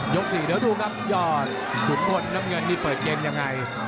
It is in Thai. ยก๔เดี๋ยวดูครับยอดถุดหมดน้ำเงินไปเปิดเกมยังไง